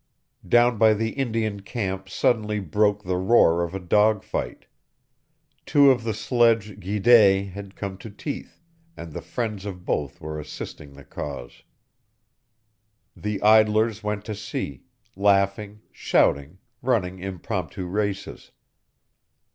Down by the Indian camp suddenly broke the roar of a dog fight. Two of the sledge giddés had come to teeth, and the friends of both were assisting the cause. The idlers went to see, laughing, shouting, running impromptu races.